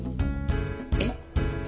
えっ？